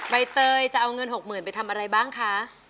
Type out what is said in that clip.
ใบเตยจะเอาเงิน๖๐๐๐ไปทำอะไรบ้างคะ